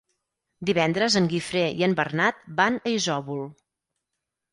Divendres en Guifré i en Bernat van a Isòvol.